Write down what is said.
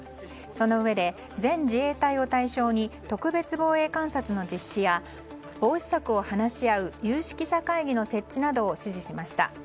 そのうえで、全自衛隊を対象に特別防衛監察の実施や防止策を話し合う有識者会議の設置などを指示しました。